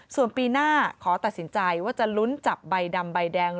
ส่วนปีหน้าขอตัดสินใจว่าจะลุ้นจับใบดำใบแดง